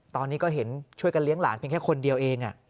ตอนนี้ก็เห็นช่วยกันเลี้ยงหลานเพียงแค่คนเดียวเอง